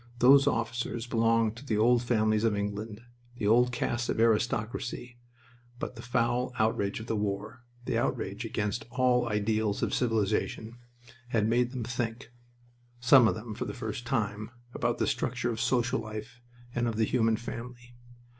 Those officers belonged to the old families of England, the old caste of aristocracy, but the foul outrage of the war the outrage against all ideals of civilization had made them think, some of them for the first time, about the structure of social life and of the human family.